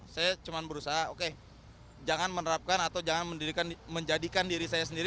saya cuma berusaha oke jangan menerapkan atau jangan menjadikan diri saya sendiri